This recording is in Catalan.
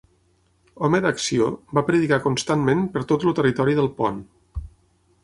Home d'acció, va predicar constantment per tot el territori del Pont.